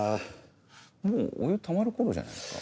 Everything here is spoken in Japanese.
もうお湯たまる頃じゃないですか？